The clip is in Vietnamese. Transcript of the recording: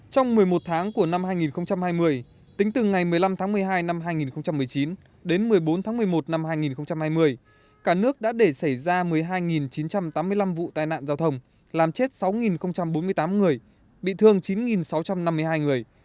trong một mươi một tháng của năm hai nghìn hai mươi tính từ ngày một mươi năm tháng một mươi hai năm hai nghìn một mươi chín đến một mươi bốn tháng một mươi một năm hai nghìn hai mươi cả nước đã để xảy ra một mươi hai chín trăm tám mươi năm vụ tai nạn giao thông làm chết sáu bốn mươi tám người bị thương chín sáu trăm năm mươi hai người